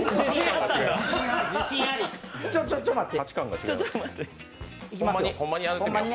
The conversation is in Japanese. ちょ、ちょ、ちょ待って。